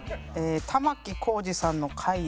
玉置浩二さんの回で。